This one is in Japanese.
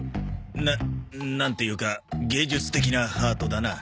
ななんていうか芸術的なハートだな。